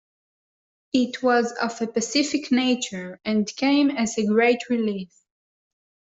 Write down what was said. It was of a pacific nature, and came as a great relief.